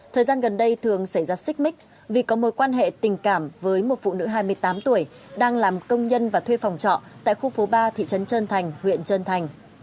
thời gian gần đây thường xảy ra xích mích vì có mối quan hệ tình cảm với một phụ nữ hai mươi tám tuổi đang làm công nhân và thuê phòng trọ tại khu phố ba thị trấn trơn thành huyện trơn thành